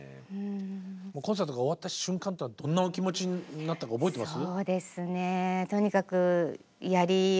もうコンサートが終わった瞬間っていうのはどんなお気持ちになったか覚えてます？